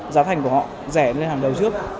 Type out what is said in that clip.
giá thành của họ rẻ lên hàng đầu trước